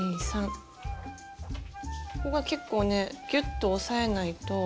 ここが結構ねギュッと押さえないと。